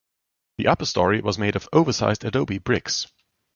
The upper story was made of oversized adobe bricks.